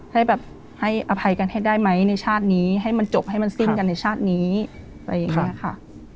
ให้แบบให้อภัยกันให้ได้ไหมในชาตินี้ให้มันจบให้มันสิ้นกันในชาตินี้อะไรอย่างนี้ค่ะ